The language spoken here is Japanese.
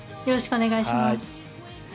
よろしくお願いします。